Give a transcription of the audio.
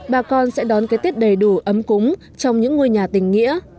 bà con sẽ đón cái tết đầy đủ ấm cúng trong những ngôi nhà tình nghĩa